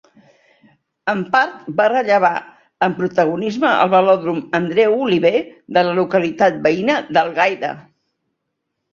En part va rellevar en protagonisme al Velòdrom Andreu Oliver de la localitat veïna d'Algaida.